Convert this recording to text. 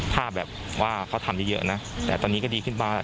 ถ้าแบบว่าเขาทำเยอะนะแต่ตอนนี้ก็ดีขึ้นมาก